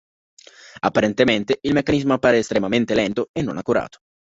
Apparentemente il meccanismo appare estremamente lento e non accurato.